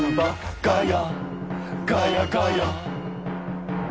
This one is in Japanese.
ガヤ！ガヤ！」